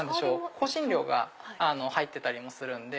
香辛料が入ってたりもするので。